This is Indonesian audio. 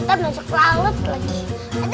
ntar masuk lalut lagi